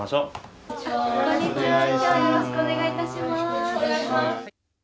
よろしくお願いします。